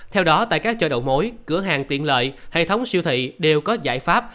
theo đó tại các chợ đầu mối cửa hàng tiện lợi hệ thống siêu thị đều có giải pháp